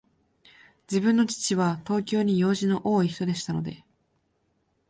自分の父は、東京に用事の多いひとでしたので、